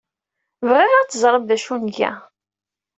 Bɣiɣ ad teẓrem d acu ay nga.